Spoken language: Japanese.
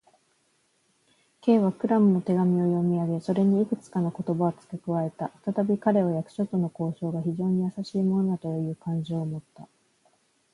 Ｋ はクラムの手紙を読みあげ、それにいくつかの言葉をつけ加えた。ふたたび彼は、役所との交渉が非常にやさしいものなのだという感情をもった。